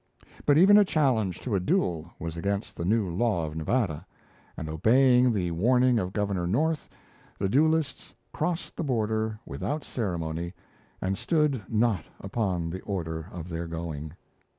But even a challenge to a duel was against the new law of Nevada; and obeying the warning of Governor North, the duellists crossed the border without ceremony, and stood not upon the order of their going.